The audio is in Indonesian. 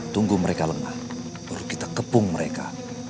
tunggu mereka lemah baru kita kepung mereka